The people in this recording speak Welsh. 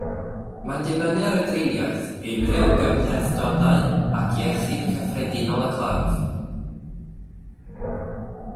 Mae'n dibynnu ar y driniaeth, unrhyw gymhlethdodau ac iechyd cyffredinol y claf.